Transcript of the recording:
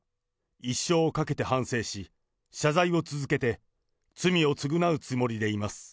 一生をかけて反省し、謝罪を続けて、罪を償うつもりでいます。